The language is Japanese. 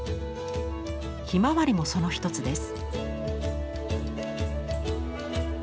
ひまわりもその一つです。